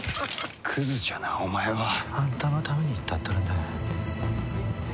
クズじゃなお前は。あんたのために言ったっとるんだがや。